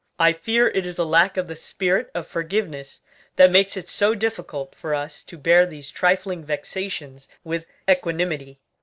I fear it is a lack of the spirit of forgiveness that makes it so difficult for us to bear these trifling vexations with equanimity.